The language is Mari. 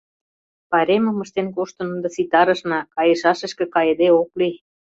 Пайремым ыштен коштын ынде ситарышна: кайышашышке кайыде ок лий.